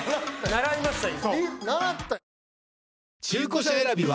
習いました今。